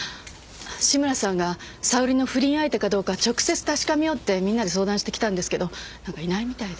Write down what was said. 志村さんが沙織の不倫相手かどうか直接確かめようってみんなで相談して来たんですけど何かいないみたいで。